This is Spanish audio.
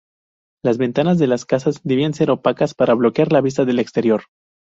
Las ventanas de las casas debían ser opacas para bloquear la vista del exterior.